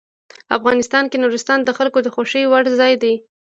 افغانستان کې نورستان د خلکو د خوښې وړ ځای دی.